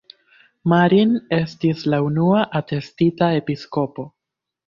Marin estis la unua atestita episkopo.